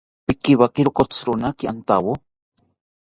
Pikiwakiro kotzironaki antawo